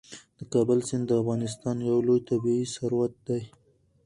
د کابل سیند د افغانستان یو لوی طبعي ثروت دی.